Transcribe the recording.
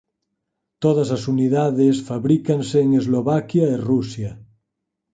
Todas as unidades fabrícanse en Eslovaquia e Rusia.